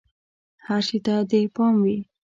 هر شي ته دې پام وي!